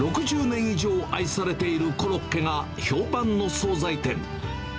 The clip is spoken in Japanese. ６０年以上愛されているコロッケが、評判の総菜店。